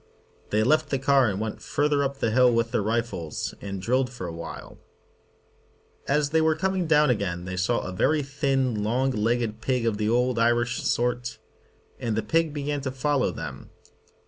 They left the car and went further up the hill with their rifles, and drilled for a while. As they were coming down again they saw a very thin, long legged pig of the old Irish sort, and the pig began to follow them.